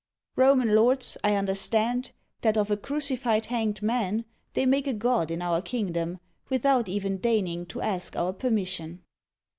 Roman lords, I understand That of a crucified hanged man They make a God in our kingdom, Without even deigning to ask our permission.